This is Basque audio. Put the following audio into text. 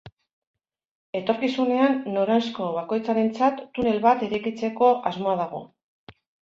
Etorkizunean noranzko bakoitzarentzat tunel bat eraikitzeko asmoa dago.